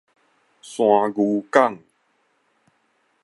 山牛犅